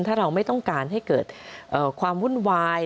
ถ้าเราไม่ต้องการให้เกิดความวุ่นวาย